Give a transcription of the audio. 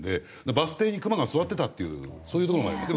バス停にクマが座ってたっていうそういうとこもありますよ。